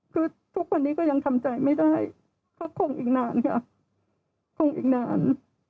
คือทุกวันนี้ก็ยังทำใจไม่ได้ก็คงอีกนานค่ะคงอีกนาน